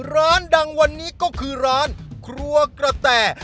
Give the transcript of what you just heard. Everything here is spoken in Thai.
ร้านดังวันนี้ก็คือร้านครัวกระแต่